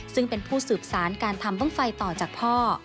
ซึ่งเป็นผู้สืบสารการทำบ้างไฟต่อจากพ่อ